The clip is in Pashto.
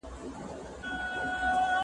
زه پرون سبا ته فکر کوم!؟